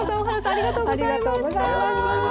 ありがとうございます。